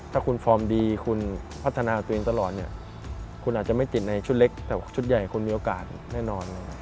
ถ้าคุณฟอร์มดีคุณพัฒนาตัวเองตลอดเนี่ยคุณอาจจะไม่ติดในชุดเล็กแต่ชุดใหญ่คุณมีโอกาสแน่นอน